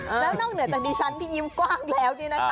แล้วนอกเหนือจากดิฉันที่ยิ้มกว้างแล้วเนี่ยนะคะ